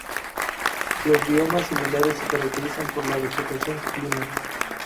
Los biomas similares se caracterizan por la vegetación clímax.